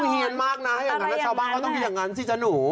ก็ต้องเฮียนมากนะชาวบ้างก็ต้องอย่างนั้นสิจ๊ะหนู